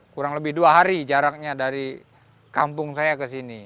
kurang lebih dua hari jaraknya dari kampung saya ke sini